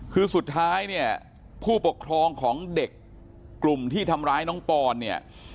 คือสุดท้ายเนี่ยผู้ปกครองของเด็กกลุ่มที่ทำร้ายน้องปอนเนี่ย